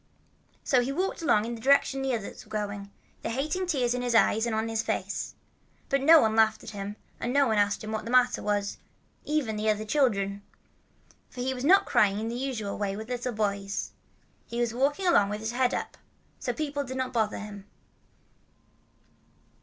So he walked along in the direction the others were going, the hating tears in his eyes and on his face. But no one laughed at him, and no one asked him what was the matter, even the other children. For he was not crying in the usual way with little boys. He was walking along with his head up. So people did not bother him.